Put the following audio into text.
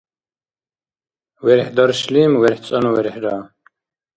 верхӀдаршлим верхӀцӀанну верхӀра